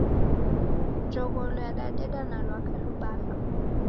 Njogholo yadadeda na lwaka lubaha.